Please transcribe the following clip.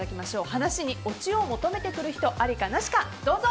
話にオチを求めてくる人ありかなしか、どうぞ。